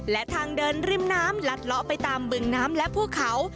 และทางเดินริมน้ำลัดเลาะไปตามบึงน้ำและภูเขา